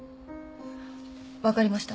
分かりました。